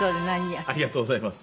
ありがとうございます。